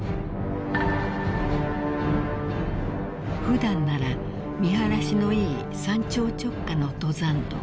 ［普段なら見晴らしのいい山頂直下の登山道］